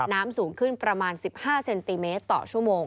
น้ำสูงขึ้นประมาณ๑๕เซนติเมตรต่อชั่วโมง